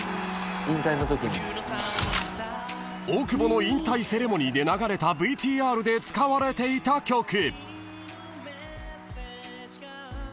［大久保の引退セレモニーで流れたＶＴＲで使われていた曲］